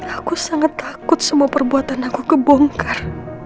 aku sangat takut semua perbuatan aku kebongkar